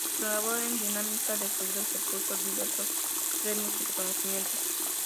Su labor en dinámica de fluidos le supuso diversos premios y reconocimientos.